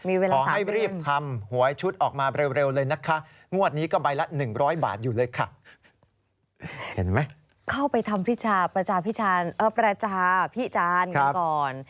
พี่จานเป็นไรจ๊ะพี่จานก่อน